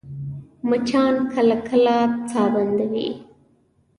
مچان کله کله ساه بندوي